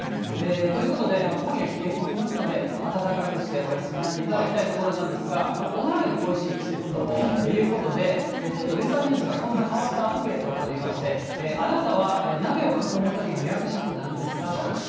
ということで、今夜、冷え込みますので、暖かくしてお休みになっていただきたいところなんですが、お鍋の恋しい季節ということで、ちょっとウェザーニューズがこんな変わったアンケートを取りまして、あなたは鍋を囲むときの役職なんですかと。